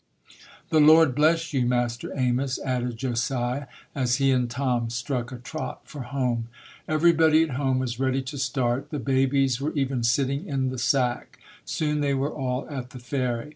"The Lord bless you, Master Amos", added Josiah, as he and Tom struck a trot for home. Everybody at home was ready to start. The babies were even sitting in the sack. Soon they were all at the ferry.